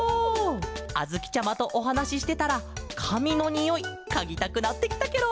あづきちゃまとおはなししてたらかみのにおいかぎたくなってきたケロ！